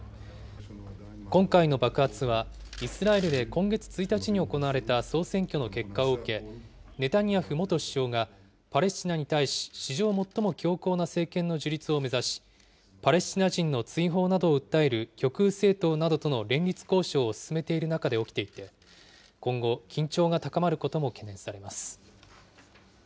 今回の爆発は、イスラエルで今月１日に行われた総選挙の結果を受け、ネタニヤフ元首相が、パレスチナに対し、史上最も強硬な政権の樹立を目指し、パレスチナ人の追放などを訴える極右政党などとの連立交渉を進めている中で起きていて、今後、緊張が高まることも懸念されます。